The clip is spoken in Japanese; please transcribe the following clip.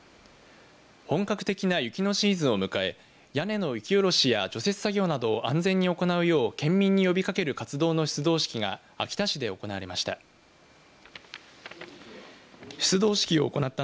本格的な雪のシーズンを迎え屋根の雪下ろしや除雪作業などを安全に行うよう県民に呼びかける活動の出動式が秋田市で行われました。